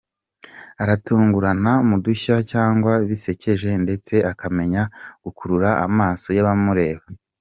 Aratungurana mu dushya cyangwa bisekeje ndetse akamenya gukurura amaso y’abamureba.